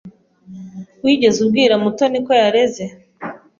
Wigeze ubwira Mutoni ko yareze?